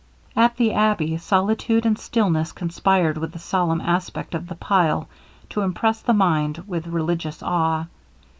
At the abbey, solitude and stillness conspired with the solemn aspect of the pile to impress the mind with religious awe.